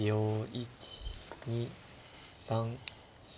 １２３４。